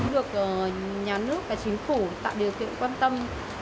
được nhà nước và chính phủ tạo điều kiện quan tâm